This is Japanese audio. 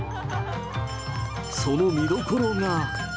その見どころが。